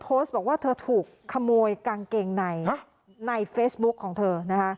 โพสต์บอกว่าเธอถูกขโมยกางเกงในในเฟซบุ๊คของเธอนะคะ